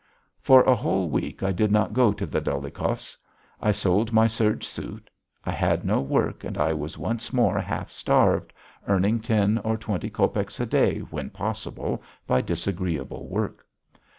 For a whole week I did not go to the Dolyhikovs'. I sold my serge suit. I had no work and I was once more half starved, earning ten or twenty copecks a day, when possible, by disagreeable work.